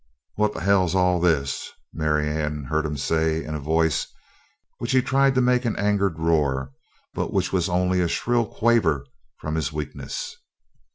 "What the hell's all this?" Marianne heard him say in a voice which he tried to make an angered roar but which was only a shrill quaver from his weakness.